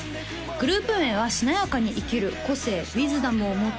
グループ名は「しなやかに生きる個性を持って」